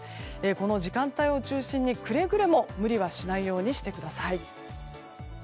この時間帯を中心にくれぐれも無理はしないようにしてください。